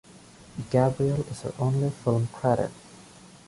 "Gabriel" is her only film credit.